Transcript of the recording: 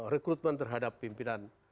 rekrutmen terhadap pimpinan